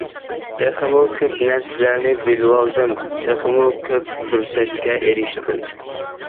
تېخىمۇ كۆپ نەرسىلەرنى بىلىۋالدىم، تېخىمۇ كۆپ پۇرسەتكە ئېرىشتىم.